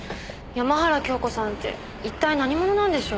山原京子さんって一体何者なんでしょう？